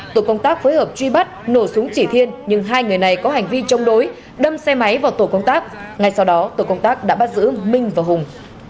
tổ công tác phối hợp truy bắt nổ súng chỉ thiên nhưng hai người này có hành vi chống đối đâm xe máy vào tổ công tác ngay sau đó tổ công tác đã bắt giữ minh và hùng